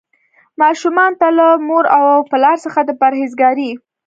ماشومانو ته له مور او پلار څخه د پرهیزګارۍ.